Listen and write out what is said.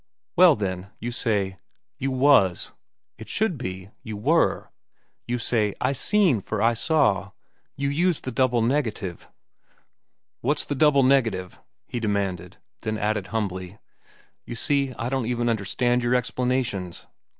"Well, then, you say, 'You was'; it should be, 'You were.' You say 'I seen' for 'I saw.' You use the double negative—" "What's the double negative?" he demanded; then added humbly, "You see, I don't even understand your explanations."